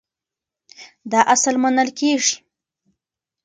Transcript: دا اصل منل کېږي.